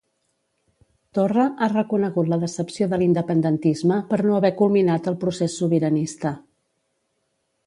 Torra ha reconegut la decepció de l'independentisme per no haver culminat el procés sobiranista.